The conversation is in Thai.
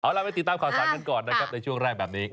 เราไปติดตามข่าวสารกันก่อนนะครับในช่วงแรกแบบนี้